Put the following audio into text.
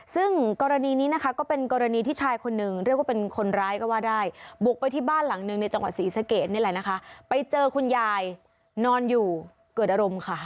ซึ่งกรณีนี้นะคะก็เป็นกรณีที่ชายคนหนึ่งเรียกว่าเป็นคนร้ายก็ว่าได้บุกไปที่บ้านหลังหนึ่งในจังหวัดศรีสะเกดนี่แหละนะคะไปเจอคุณยายนอนอยู่เกิดอารมณ์ค่ะ